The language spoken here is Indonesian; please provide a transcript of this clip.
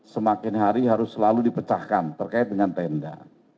semakin hari harus selalu dipecahkan terkait dengan tenda